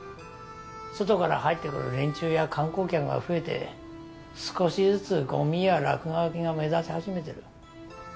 外から入ってくる連中や観光客が増えて少しずつゴミや落書きが目立ち始めてる。